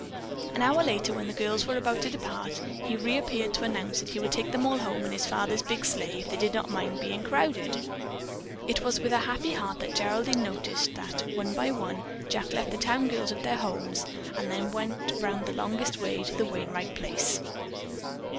An hour later, when the girls were about to depart, he reappeared to announce that he would take them all home in his father's big sleigh if they did not mind being crowded. It was with a happy heart that Geraldine noticed that one by one Jack left the town girls at their homes, and then went round the longest way to the Wainright place.